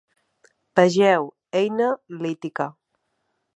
Vegeu: Eina lítica.